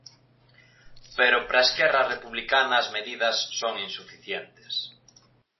Pero para Esquerra Republicana as medidas son insuficientes.